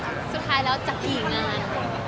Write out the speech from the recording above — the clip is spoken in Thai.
สุดท้ายแล้วจะกี่งาน